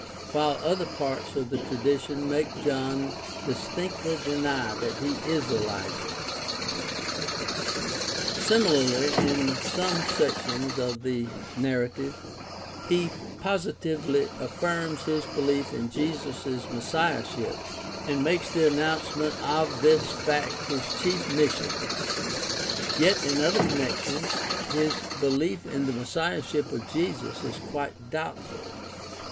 17:9 13), while other parts of the tradition make John dis tinctly deny that he is Elijah (John 1:21). Similarly, in some sections of the narrative he positively affirms his behef in Jesus' messiahship and makes the announcement of this fact his chief mission (John 1:6 8, 19 34), yet in other con nections his behef in the messiahship of Jesus is quite doubt ful (Matt. 11:2 6; Luke 7:18 23).